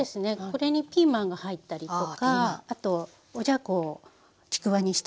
これにピーマンが入ったりとかあとおじゃこをちくわにしたりとか。